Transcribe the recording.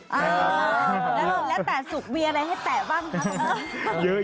แล้วแต่สุกมีอะไรให้แตะบ้างครับ